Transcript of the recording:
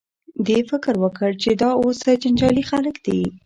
دې فکر وکړ چې دا اوس څه جنجالي خلک دي.